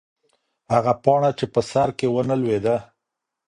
هغه پاڼه چې په سر کې وه نه لوېده.